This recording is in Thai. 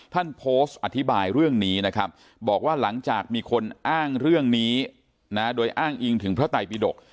ท่านโพสต์อธิบายเรื่องนี้นะครับบอกว่าหลังจากมีคนอ้างเรื่องนี้นะโดยอ้างอิงถึงพระไตปิดก